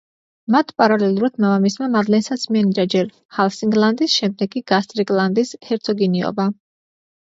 მათ პარალელურად მამამისმა მადლენსაც მიანიჭა ჯერ ჰალსინგლანდის, შემდეგ კი გასტრიკლანდის ჰერცოგინიობა.